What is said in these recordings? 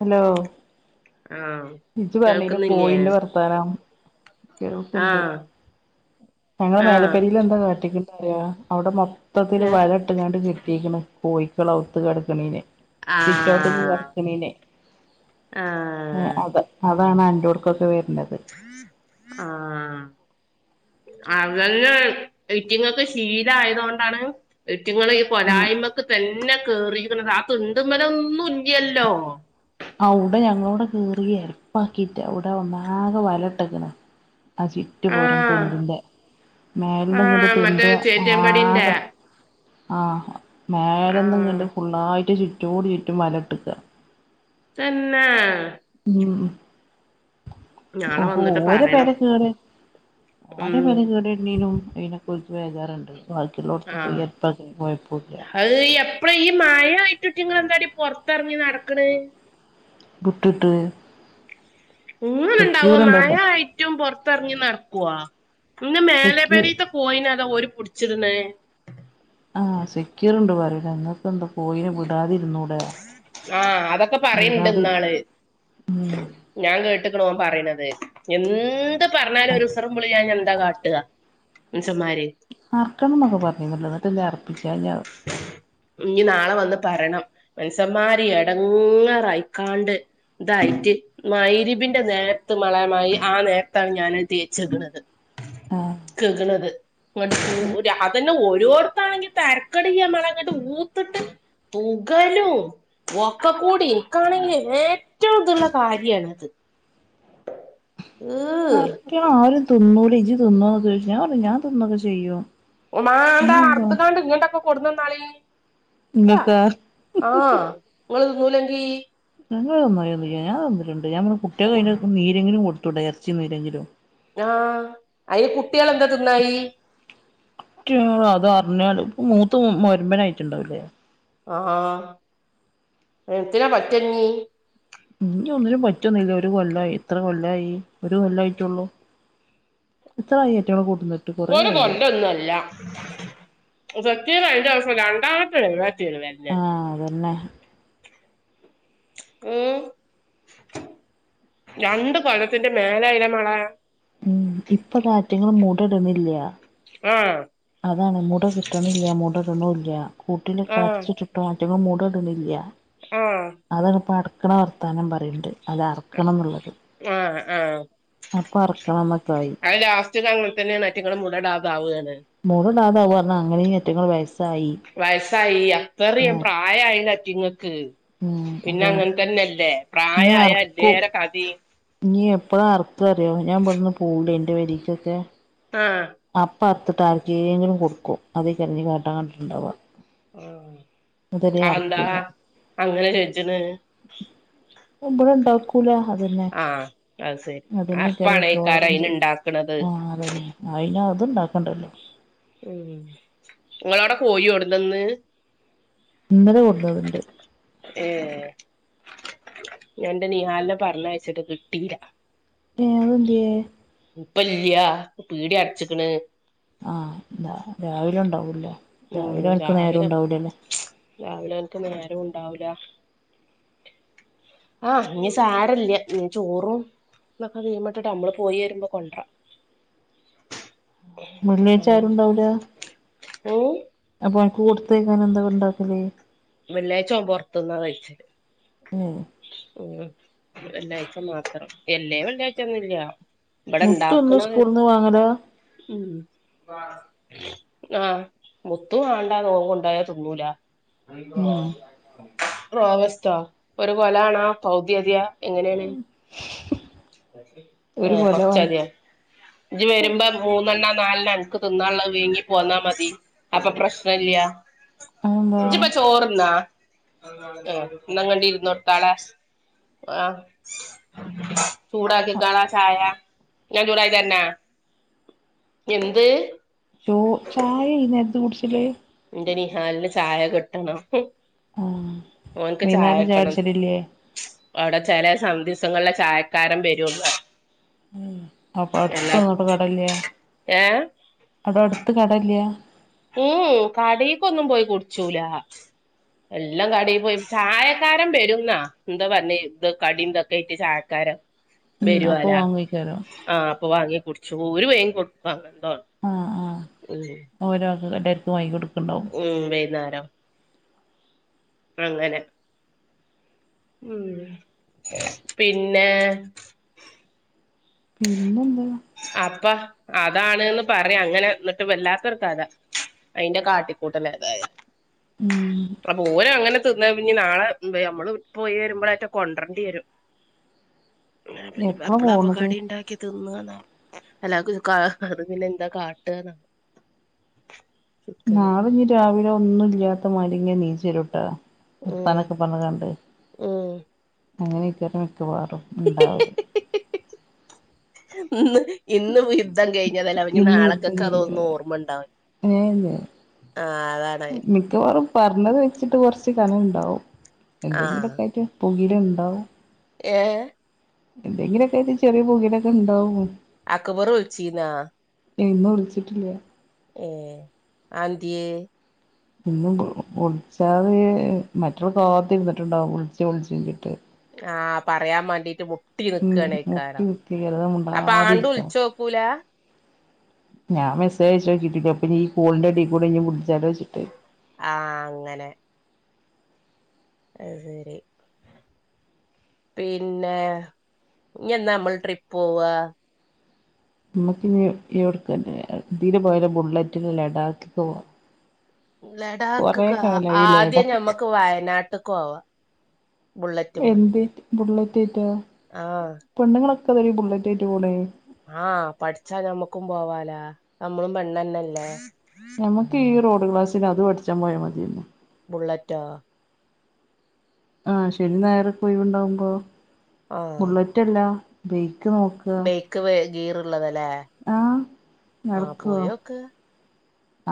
Hello ആഹ് ഇജ്ജ് പർഞീലെ കേൾക്കുന്നില്ലേ പൂയിന്റെ വർത്താനം. കേൾക്ക്ണ്ട് ആഹ് ഞങ്ങള് ആഹ് മേലപ്പരിൽ എന്താ കാറ്റിക്കും അവിടെ ഞ മൊത്തത്തില് വല ഇട്ട്ങ്ങാണ്ട് കെട്ടീരിക്കണ് കോഴിക്കളത്ത് കടക്കണനെ സിറ്റ് ഔട്ട്ക്കെ ആഹ് കറക്കണീനേ ആഹ് ഏഹ് അത് അതാണ് അന്റോഡ്ക്കൊക്കെ വര്ണത് ആഹ് അതന്നെ റ്റിങ്ങൾക്ക് ശീലായതുക കൊണ്ടാണ് റ്റുങ്ങൾ കൊലായ്മക്ക് തന്നെ കേറിക്ക ആ തുണ്ടുമലൊന്നും ഇല്ല്യല്ലോ അവ്ടെ ഞങ്ങളോട് കറി ഏര്പ്പാക്കിട്ട് അവിടെ ഒന്നാകെ വല ഇട്ടക്കണ് അജി കറ്റുപറ ആഹ് തിണ്ടിന്റെ മേല ഇങ്ങിട്ട ആഹ് മറ്റേ തിണ്ട് ചേറ്റിയമ്പടിന്റെ ആകെ ആഹ് ആഹ് മേലന്ന്ങ്ങട്ട് ഫുുള്ളായിട്ട് ചുറ്റോഡ് ചുറ്റും വല ഇട്ടക്ക തന്നേ ഉം നാളെ ഓപ്പൊ വന്നിട്ട് ഓര പറയണം പേരെ കേട് ഓര ഉം പേര് കേടെ ഇന്നീനും അയ്നെകൊല്ക്ക് വേജാറുണ്ട് ബാക്കിയുള്ളോടത്ത് പോയി അരപ്പാക്ക്യ കൊഴപ്പല്ല അയ് എപ്പഴ ഈ മായ വറ്റുട്ടിങ്ങ എന്താടി പൊറത്തിറങ്ങി നടക്കണ് ബുട്ടുട്ടെ ഇങ്ങനെുണ്ടാവുവ മഴായിട്ടും പുറത്തിറങ്ങി നടക്കുവ ഇങ്ങ മേല സെക്യൂ പേരതെ പോയിനതാ ഓര് പിടിച്ചിരുന്നേ ആഹ് സെക്യൂർണ്ട് പറിന് ങ്ങക്കന്താ പോയിന് വിടാതിരുന്നൂടെ ആഹ് അതൊക്കെ പറയണ്ട് വിടാതി ഇന്നാള് ഞാൻ കേട്ടിക്കണ് ഓന് പറയണുന്നത് എന്ത് പറഞ്ഞാലും ഒരുസറം പളില്ലാഞ്ഞന്താ കാട്ട മൻസ്സമാര് ആർക്കണംന്നൊക്കെ പറഞ്ഞുന്നല്ല എന്നിട്ടല്ലേ അർപ്പിച്ച ഞാ ഇഞ് നാളെ വന്ന് പറണം മൻസമ്മാര് എടങ്ങാറായിക്കാണ്ട് ഇതായിട്ട് മൈരിവിന്റെ നേരത്ത് മളെ ആ നേരത്താണ് ഞാൻ തേച്ചേക്ണത് ആഹ് കക്ണത് അതന്നെ ഓരോത്താണെങ്കി തരക് ക്കട മളങ്ങിട്ട് ഊത്തിട്ട് പൂകലും ഒക്ക കൂടി ഇനിക്കാണെങ്കി ഏറ്റവും ഇതുള്ള കാര്യണ അത് വര്ട്യാ ആരും തിന്നൂല, ഇജ്ജ് തിന്നോ ന്നൊക്കെ ചോയ്ച്ച്. ഞാൻ പർഞ്ഞ്. ഞാൻ തിന്നൊക്കെ ചെയ്യും ഉമാണ്ട ഇങ്ങക്കെന്താ അറത്ത കാണ്ട് ഇങ്ങോട്ടൊക്കെ കൊടുന്നുന്നാളി അല്ല ഇങ്ങക്കാ ആഹ് നിങ്ങ തിന്നൂലെങ്കി ഞങ്ങള് നന്നായി ഞൻ തന്നിട്ടുണ്ട് ഞമ്മുടെ കുട്ടികെ കയി നീരെങ്കിലും കൊടുത്തുട്ടേ ഇറച്ചി നീരെങ്കിലും ആഹ് അയ്യ കുട്ടികൾ എന്താ തിന്നായി [unintelligible] അതർഞ്ഞാല് പ്പ മൂത്തമൊരുമ്പന യിട്ടുണ്ടാവുല്ലേ ആഹ് എത്തിന പറ്റഞ്ഞീ ഇഞ് ഒന്നിനും പറ്റൊന്നില്ല ഒരു കൊല്ലയി ഇത്ര കൊല്ലയി ഒരു കൊല്ലയിട്ടുള്ളൂ [unintelligible] ഒര് ആയില്ലേ കൊല്ലോന്നുയല്ല സക്കീറായന്റാ സം [unintelligible] ആഹ് അതുന്നെ ഓ [inaudible] രണ്ട് കൊല്ലത്തിന്റെ മേലായീലെ മളെ ഉം ഇപ്പൊ കാറ്റങ്ങൾ മുട ഇട്ണില്ല ആഹ് അതാണ് മുട കിട്ട്ണില്ല. മുട ഇട്ണൂല്യ കൂട്ടില് ആഹ് കടച്ചു ട്ടോറ്റങ്ങള് മൂട ഇട്ണില്ല ആഹ് അതാണ് ഇപ്പം അറ്ക്ക്ണ വർത്താനം പറയ്ണ്ട് അത അറക്കണം ഇന്ന്ള്ളത് ആഹ് ആഹ് അപ്പം അറക്കണം എന്ന് ഒക്കെ ആയി പറ്റുക അങ്ങൻ തന്നേണ്. അറ്റങ്ങളും മുടടാതാവാണ് മൂട ടാതാവ പറ്ഞ്ഞ അങ്ങനെ ഇറ്റങ്ങള് വയസ്സായി വയസ്സായി അത്തറിം ആഹ് പ്രായ ആയില്ലറ്റിങ്ങക്ക് ഉം പിന്നെ അതാണ് അങ്ങൻ തന്നെ അല്ലേ. പ്രായായ അല്ലേറെ കഥി നീ എപ്പഴാ ആറ്ക്ക അറിയോ. ഞാൻ ഇ ബെടുന്ന് പോവൂലെ ഇന്റെ പേരിക്കൊക്കെ ആഹ് അപ്പ അറ്ത്ട്ട് ആര്ക്കേങ്കിലും കൊട്ക്കും. അതേയ്ക്കാര [unintelligible] ക്കാട്ടാ ഇണ്ടാവ ആഹ് അഎന്താ അങ്ങനെച്ചെജ്ണ് ഉമ്പുണ് ഇണ്ടാക്കൂല അതെന്നെ ആഹ് അത് ശരി അതെന്നെക്കാരം അർപ്പാണേക്കാരം മിക്കവാറും അയ്ന് ജൈ ഇണ്ടാക്ക്ണത് അഹ് അതെന്നെ അയിന് അത്ണ്ടാക്കണ്ടല്ലോ ഉം ഇങ്ങളോടെ കോയൊട്ന്നന്ന് ഇന്നലെ കൊട്ന്നത്ണ്ട് ഏപ് ഞാ ഇന്റെ നീഹാൽനെ പർഞ്ഞയ്ച്ചിട്ട് കിട്ടീല്ല ഏഹ്.. അതെന്തേ ഇപ്പല്ല്യ പീടി അട്ച് ക്ക്ണ് ആഹ്. ന്താ രാവിലെ ഉണ്ടാവൂല. ഉം രാവിലെ ഓൻക് നേരോം രാവിലെ ഇണ്ടാവൂലല്ലൊ രാവിലെ അൻക്ക് നേരോം ഇണ്ടാവുല ആഹ് ഇഞ്ഞി സാരല്ല ഇഞ് ചോറും ഇന്നൊക്കെ വീമട്ട്ട്ട് അമ്ള് പോയേ രുമ്പോ കൊന്റ്ര ഉം [unintelligible] ഊം അപ്പൊ കൂടിത് ത്തേയ്ക്കാൻ എന്താ കൊണ്ടാക്കല് വെള്ളി ആയ്ച്ചോം പൊർത്ത്ന്നാ കൈച്ചല് ഉം ഇഞ് വ വെള്ളിയ്ച മാത്രം എല്ലെ വെള്ളിയ്ചൊന്നുല്യാ മുത്തു ഒന്നും സ്കൂള്ന്ന് വാങ്ങലാ ഉം. വാ ആഹ് മുത്തു വാണ്ടാ നോവുണ്ടായ തിന്നൂല ഉം റോ വെസ്‌റ്റൊ ഒരുകൊലാണോ പൗത്യ ത്യൊ എങ്ങനേണ് ഒരു ഏഹ്.. കൊലവായി കൊർച്ചദ്യോ ഇജ് വെര്മ്പോ മൂന്നെണ്ണ നാൽണ അൻക്ക് തിന്നാള്ളഹ് വേങ്ങി പോന്നാ മതി അപ്പൊ പ്രശ്നല്ല്യ അതെന്താ ഇജ്പ്പൊ ചോറ്ന്നാ അ.. ന്നാ ങ്ക്ണ്ടിരി നോട്താളാ ആഹ്.. ചൂടാകികാളാ ചായാ ഞാൻചൂടാകിതെര്നാ എന്ത്.. ശോ.. ചായെ ഇന്നേര്ത്ത് കുട്ച്ചല് ഇന്റെ നിഹാല്ന് ചായ കിട്ടണം ആഹ് ഓൻക്ക് വൈന്നേരം ചായ ചായട്ടണം കുടിച്ചലില്ലേ അവ്ടെ ചെലെ സന്ദിസങ്ങളില് ചായക്കാരൻ വരോൾ ഉം. അപ്പൊട്ത്തൊന്നോട് കടെല്യെ. ഏഹ് അപ്പൊട്ത്ത് കട ഇല്യാ ഉം ഉം കടീക്കൊന്നും പോയികുടിച്ചൂല. എല്ലാം കടിപോയി ചായക്കാരൻ ബെരുന്നാ ബന്താ പർന്നെ ഇത് കടിന്തൊക്കെയ്ട്ട് ചായക്കാരൻ ർ.. ബെരൊലാ ആഹ് അപ്പൊ വാങ്ങി കുട്ച്ചു ഒരുയയും കൊട്ത ട്ടോ ആഹ് ആഹ് ഓരോൾടെ ക്കെ [unintelligible] കൊട്ക്കണ്ടാവും ഉം വൈന്നാരം അങ്ങനെ ഉം പിന്നെ പിന്നെന്താ അപ്പ അതാണ്ന്ന് പറൈ അങ്ങനെ ന്ന്ട്ട് വല്ലാത്തൊർ കഥ അയിന്റെ കാട്ടിക്കൂട്ടല് എതായല് ഉം അപൊല് അങ്ങനെ ത്ന്നഞ് നാളെ അമ്മള് പോയിര്മ്പോറ്റെ കൊണ്ട്രാണ്ടിരും എപ്പൊ എപ്പളാപ്പൊ പോണത് കടി ഇണ്ടാക്കി തിന്നണ് അല്ലാ ക് കാ അത് പിന്നെ ന്താ കാട്ട്ന്ന നാളെഞ്ഞി രാവിലെ ഒന്നും ഇല്യാത്തമാരിങ്ങൻ നീചെരുട്ട ഉം വർത്താനൊക്കെ പറഞ്ങ്ങാണ്ട് ഉം അങ്ങനെര്ക്ക മിക്കവാറും ഇണ്ടാവ് [unintelligible] ഇന്ന് ഇന്ന്പോയി യുദ്ധം കഴിഞ്ഞതല്ലേ അവ ഇന്ന് യുദ്ധം നാളെക്കൊക്കെ കഴിഞ്ഞു അതോന്ന് പറയാ. ഓർമ്മ ഉണ്ടാവാൻ ഏഹ് ന്ന് ആഹ് അതാണ് മിക്കവാറും പറഞ്ഞത് വെച്ചിട്ട് കുറച്ച് കനംഉണ്ടാവും ആഹ് എന്തെങ്കിലുമൊക്കെ ആയിട്ട് പുകില ഉണ്ടാവും ഏഹ് എന്തെങ്കിലുമൊക്കെ ആയിട്ട് ചെറിയ പുകിലൊക്കെ ഉണ്ടാവുമോ? അക്ക്ബറ് വിളിച്ചീനാ? എയ്ന്ന് വിളിച്ചിട്ടില്ല ഏഹ് അത് ന്ത്യേ? ഇന്നും ഒളിച്ചാത മറ്റരു കാകത്തി ഇരുന്നിട്ടുണ്ടാവും വിളിച്ച ഒളിച്ച കിട്ട് ആഹ് പറയാൻ വേണ്ടിട്ട് മുട്ടി ഉം മുട്ടി നിക്കണേക്കാലം കുത്തി വെറുതെ അപ്പൊ ആണ്ട് മുണ്ടാതിരിക്കണം വിളിച്ചോ? പോവുല ഞാൻ മെസ്സജ് ആക്കിട്ട് അപ്പഴ് ഈ കോളിന്റെടെകൂടി ഇനി വിളിച്ചാലോവെച്ച് ആഹ് അങ്ങനെ അത് ശെരി പിന്നെ ഇനി എന്നാ നമ്മൾ ട്രിപ്പ് പോവാ? നമ്മുക്കിനി ഇവിടേക്ക് തന്നെ പോയാല ബുള്ളറ്റില് ലഡാക്കക്കെ പോവാം ലഡാക്ക്ക്ക് കാലായി ആദ്യം ലഡാക്ക് ഞമ്മക്ക് വയനാട്ടിക്ക് പോവാം എന്തേ ബുള്ളറ്റേറ്റാ ആഹ് പെണ്ണുങ്ങളൊക്കെ അതെ ഒരു ബുള്ളറ്റ് ആയിട്ട് പോവുലെ ആഹ് പഠിച്ചാ ഞമ്മക്കും പോവാലാ നമ്മളും പെണ്ണന്നല്ലേ! നമുക്ക് ഈ റോഡ്ക്ലാസ്സിൽ അത് പഠിച്ചാ പോയാ മതിയാര്ന്ന് ബുള്ളറ്റോ? ആഹ് ശരി നേരെ ഒഴിവുണ്ടാവുമ്പോ ആഹ് ബുള്ളറ്റ്ല്ല ബയ്ക്ക് നോക്കുക ക്ക് ഗിയർള്ളതല്ലേ ആഹ് നടക്കുവോ?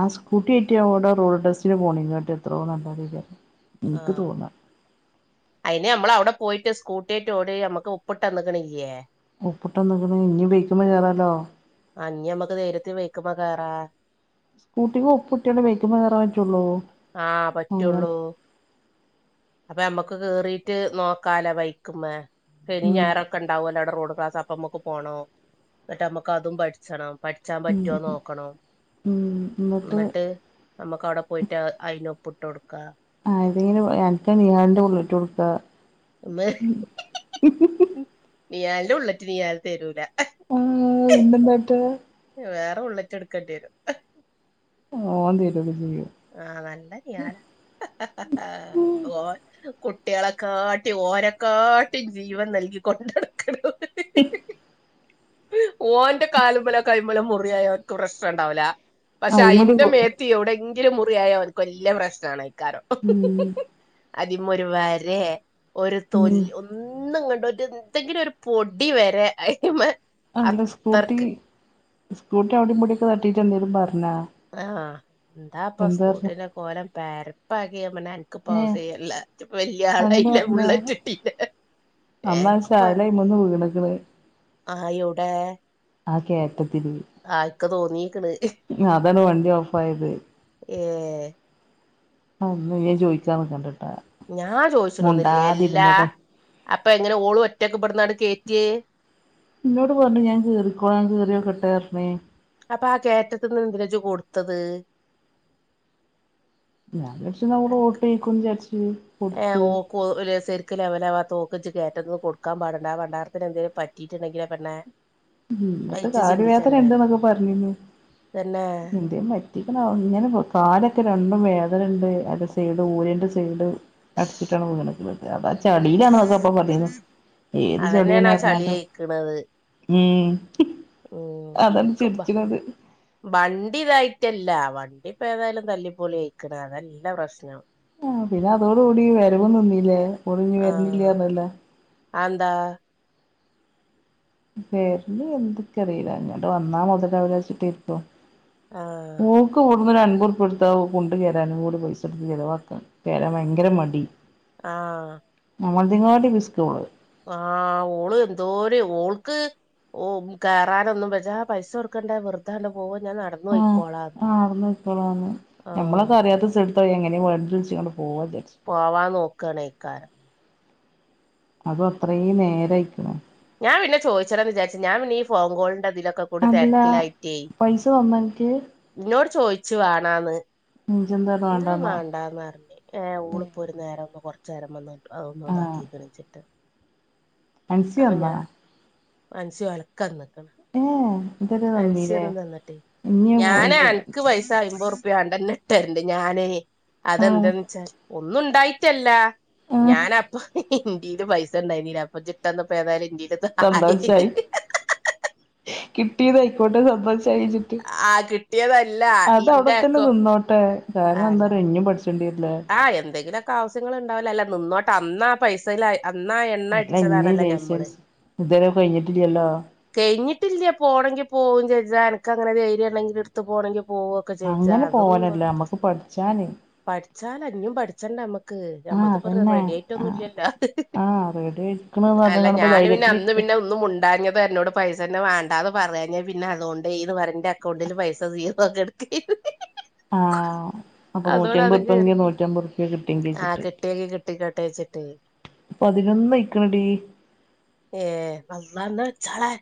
ആഹ് സ്കൂട്ടി കിട്ടിയാ അവിടെ റോഡ് ടെസ്സിന് പോണെക്കാട്ടി എത്രയോ നല്ലതാ ആഹ് അയിന് നമ്മള അവിടെ പോയിട്ട് സ്കൂട്ടിട്ട് ഓടി നമ്മുക്ക് ഒപ്പിട്ട്തന്നക്കണില്ലയേ! ഒപ്പിട്ട് നിൽക്കണ ഇനി വിളിക്കുമ്പോൾ കേറാല്ലോ! ആഹ് ഇനി നമ്മക്ക് നേരത്തെ ബയ്ക്കുമ്പോ കേറാ സ്കൂട്ടിക്ക് ഒപ്പ് കുട്ടിയാണ് വേക്കുമ്പോ കേറാൻ പറ്റുള്ളോ? ആഹ്! പറ്റുള്ളൂ! അപ്പൊ നമ്മുക്ക് കേറിട്ട് നോക്കാല ബൈക്ക്മേ ശനി ഉം ഞായറൊ- ക്ക ഉണ്ടാവും അല്ലടെ റോഡ് ക്ലാസ് അപ്പ അമ്മുക്ക് പോകണം എന്നിട്ട് മ്മക്ക് അതും പഠിച്ചണം പഠിച്ചാൻ പറ്റുവോന്ന് നോക്കണം എന്നിട്ട് നമുക്ക് അവിടെ പോയിട്ട് അയിന് ഒപ്പിട്ട് കൊടുക്കാം അതിന് അൻക്ക് നീയാന്റെ ബുള്ളിറ്റിലിട്ട് കൊടുക്ക ഉമ്മ ഹിഹി നീ്യാലിന്റെ ബുള്ളറ്റ് നീ്യാല് തരൂല ആഹ് ഇന്നത്താണ്ടാക്ക വേറെ ബുള്ളറ്റ് എടുക്കേണ്ടി വരും ഓൻ തരൊക്കെ ചെയ്യും ആഹ നല്ല ഞാറ ഹാ ഹാ ഓൻ കുട്ടികളെക്കാട്ടി ഓരെക്കാട്ടി ജീവൻ നൽകിക്കൊണ്ട നടുക്കണ ഓൻ ഇപ് ഓന്റെ കാലുമേലോ കയ്യ്മേലോ മുറിയായ അവർക്ക് പ്രശ്നംഉണ്ടാവില്ല പക്ഷെ അയിമല് അതിന്റെ മേത്ത് എവിടെങ്കിലും മുറിയായ അവനക്ക് വല്ലിയ പ്രശ്ന ആണ് ആയിക്കാരോ ഉം അതിമേം ഒരു വരെ ഒരു തൊൽ ഉം ഒന്ന് ഒന്നുംങ്ങണ്ട എന്തെങ്കിലും ഒരു പൊടി വരെ അതിന്മേ ആല്ല സ്കൂട്ടി സ്കൂട്ടി അവിടെ ടൊക്കെ തട്ടിട്ട് തന്തേലും പറഞ്ഞോ ആഹ് എന്താ ഇപ്പ സ്കൂട്ടീനെ കോലം പരപ്പാക്കിയ പിനെ പ ഏ അവസല്ലപ്പ വല്യ അങ്ങനെ ആളായില്ലേ ബുള്ളറ്റ് കിട്ടില്ല അമ്മാ ചായാല അയ്മന്ന് വീണക്ക് ണ് ആഹ് എവിടെ ആഹ് കേറ്റത്തില് ആഹ് ഇക്കെ തോന്നീക്കണ് അതാണ് വണ്ടി ഓഫ് ആയത് ഏഹ് അന്ന് ഒന്നും ഞാൻ ചോദിക്കാൻ നികണ്ടട്ടാ ഞാ ചോദിച്ചണൊന്നില്ലേ എല്ലാ അപ്പൊ എങ്ങനെ ഓളും ഒറ്റക്കെപ്പെെടുന്നട് കേറ്റി ഇന്നോട് പറഞ്ഞു ഞാൻ കയറിക്കോ ഞൻ കേറിയോ കെട്ടെനേ അപ്പൊ ആ കറ്റത്തി നിന്ന് എന്തിനെ ഇജ് കൊടുത്തത് ഞാൻ വിക്ഷം നമ്മൾ അനക്ക് ഓട്ടിക്കും വിചാരിച്ച് കൊടുത്ത് ശെരിക്കക്ക് ലവല ആ തോക്കച്ച് കയറ്റന്ന് കൊടുാൻ പാടണ്ടർത്തിന് ന്തേലും പറ്റീട്ടുണ്ടെങ്കോ പെണ്ണേ അത് എന്നിട്ട് ഇജ്ജ് കാല് വേദന ചിന്തിച്ചണ്ടേ ഉണ്ട്ന്നൊക്കെ പറഞ്ഞിനു തന്നെ എന്റെയും [unintelligible] ഇങ്ങനെ കാലൊക്കെ രണ്ടും വേദന ഉണ്ട് അത് സൈഡ് ഊരൻ്റെ സൈഡ്. അടിച്ചിട്ടാണ് വീണത് [unintelligible] ഉം. ചളിയിലാണെന്നൊക്കെ അപ്പ പറയുന്നു ഏത് ചെളിയ ഞാറഞ്ഞാട്ട്. [unintelligible] ത് ഉം അതാണ് ഇനിക്ക് ബ ചിരിച്ച്ണത്. വണ്ടി ഇതായിട്ടല്ല വണ്ടി ഇപ്പ ഏതായാലും തല്ലിപ്പോളി കയിക്കണ അതെല്ല പ്രശ്നം. ആഹ് പിന്നെ അതോട് കൂടി വരുമ നിന്നീല്ലേ ഓളിന്ന്‌വരുന്നില്ലാ പറഞ്ഞില്ലെ. ആന്താ വരല്ല് എന്താക്കറില്ല വന്ന മൊതലാവില്ലാച്ചിട്ടാക്കും. ആഹ് ഓക്ബട്ന്ന് അൻബദുർപിയ കൊടുത്താ ഓൻ കുണ്ട് കേറാനും കൂടി പൈസട്‌ത്ത് ചെലവാക്ക. വരാ ഭയങ്കര മടി ആഹ് നമ്മളങ്ങട്ടി പിസ്ക്ക ഓള്. ആഹ് ഓള് എന്തോര ഓൾക്ക്. ഓ കയറാനൊന്നും ബജ്ജ ആ പൈസ കൊടുക്കണ്ട വെറുതാണ്ട് പോവ ഞാൻ നട ആഹ് ആവുന്ന് ഇപ്പളാന്ന് ആഹ് നമ്മളൊത് അറിയാത്ത സ്ഥ [unintelligible] എങ്ങനെ വണ്ടി പിടിൾ ച്ചാണ്ട് പോവാന്ന് വിച്ചാരിച്ചാ പോവാൻ നോക്കണേക്കാരം. അത് അത്രയും നേരയിക്ക്ണ്. ഞാൻ പിന്നെ ചേയിച്ചണം വിച്ചാരിച്ചിനി ഞാൻ പിന്നെ ഫോൺ കോളിന്റെ ഇതില്. ക്കൊട് അല്ല തെരക്കിലായിട്ടെ പൈസ തന്നോ അൻക്ക് ഇന്നോട്ചോയിച്ചു വേണാന്ന്. ഇജ്ജ് എന്താണ് ഞാൻ വാണ്ടാന്നാ വേണ്ടർന്ന് ഏ ഓള്പ്പൊരു. നേരൊന്ന് കൊറച്ച് നേരം വന്ന്അതൊന്ന് ആഹ് താക്കീ ക്ക്ണീച്ചിട്ട് അൻസി അപ്പൊ തന്നാ ഞാൻ അൻസി ഒലക്കാ നിക്കണ് ഏഹ് ഇതുവരെ തന്നീലേ പൈസന്നും തന്നിട്ടില്ല ഇഞ്ഞ് ഞാനാ അൻക്ക് പൈസ അയ്മ്പറു വാണ്ടന്നെ ഇട്ടണ്ട് ഞാനേ ആഹ് അതെന്താന്ന് വെച്ചാ ഒന്നും ഉണ്ടായിട്ടല്ല. ആഹ് ഞാനപ്പൊ ന്റേല് പൈസണ്ടായിണ്ടാന്നില്ല അപ്പ ഇജ്ജ് ഇട്ടന്നപ്പം ഏതായാലും എന്റെല് സന്തോഷായി കിട്ടിയതായിക്കോട്ടെ സന്തോഷായി വെച്ചിട്ട്. ആ കിട്ടിയതല്ല ഇന്റെ അതവിടത്തന്നെ അക്കോ നിന്നോട്ടെ കാരണം എന്താർയോ ഇനിയും പഠിച്ചേണ്ടിരില്ലേ. ആഹ് എന്തെങ്കിലൊക്ക ആവശ്യങ്ങൾ ഇണ്ടാവുല്ലാ അല്ല നിന്നോട്ട അന്നാ ആഹ് പൈസയില അന്നാ എണ്ണ അല്ല ഇഞ്ഞ് അടിച്ചതാണല്ലേ ഞമ്മള് ലൈസൻസ് ഇതുവരെ കഴിഞ്ഞിട്ടില്ലല്ലോ കഴിഞ്ഞിട്ടില്ല പോണങ്കി പോവും ജെച്ചാ അനക്ക് അങ്ങനെ ധൈര്യാണ്ടാങ്കില് എടുത്ത് പോണെങ്കി പോവ ഒക്ക ചേയിച്ചാ അങ്ങനെ അതൊന്നും പോവലല്ല കൊഴപ്പില്ല നമ്മക്ക് പഠിച്ചാന് പഠി അല്ല ഇനീം പഠിച്ചെണ്ടെ നമ്മക്ക് നമ്മക്ക് റെഡിയായിട്ടൊന്നുല്ലല്ലാ ആ റെഡി അല്ല പറഞ്ഞ്ങ്ങാണ്ട് ഇപ്പ ഞാന് പിന്നെ അന്ന് ധൈര്യത്തിലിരിക്ക പിന്നെ ഒന്നും മുണ്ടാഞ്ഞത് എന്നോട് പൈസന്നെ വേണ്ടാന്ന് പറയാഞ്ഞാ പിന്നെ അതോണ്ടേന്ന് പറഞ് എന്റ അക്കൗണ്ടിൽ പൈസ നീ നൊക്കെടു [unintelligible] ആഹ് അപ്പൊ നൂറ്റിയമ്പത് റുപ്യ കേറി ഇനി നൂറ്റമ്പത് റുപ്യാ കിട്ടിണ്ടെ ആ വെച്ചിട്ട് കിട്ടിയെങ്കി കിട്ടിക്കോട്ടെ വെച്ചിട്ട് പതിനൊന്നായിക്കണ ടീ ഏ വന്ന എന്ന വെച്ചോളെ